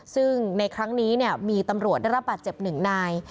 ซึ่งในครั้งนี้มีตำรวจได้รับบาดเจ็บหนึ่งนาย